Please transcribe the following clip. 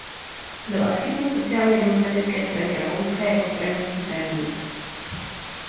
Byl aktivní v Sociálně demokratické straně Rakouska jako stranický tajemník.